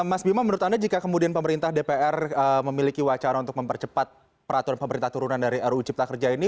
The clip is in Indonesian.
mas bima menurut anda jika kemudian pemerintah dpr memiliki wacana untuk mempercepat peraturan pemerintah turunan dari ruu cipta kerja ini